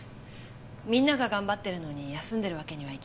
みんなが頑張ってるのに休んでるわけにはいきません。